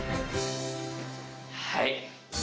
はい。